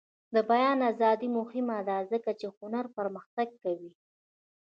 د بیان ازادي مهمه ده ځکه چې هنر پرمختګ کوي.